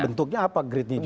bentuknya apa great nya juga